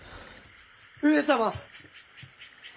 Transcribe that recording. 上様！